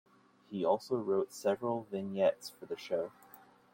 He also wrote several vignettes for the show.